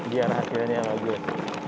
biar hasilnya bagus